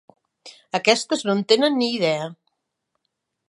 Aquestes no en tenen ni idea.